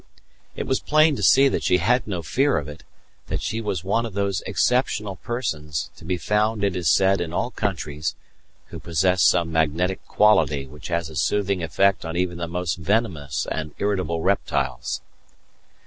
It was plain to see that she had no fear of it, that she was one of those exceptional persons, to be found, it is said, in all countries, who possess some magnetic quality which has a soothing effect on even the most venomous and irritable reptiles.